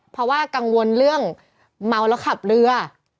เพราะว่ากังวลเรื่องเมาแล้วขับเรือ